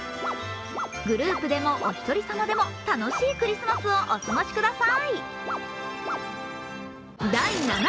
グループでも、お一人様でも楽しいクリスマスをお過ごしください。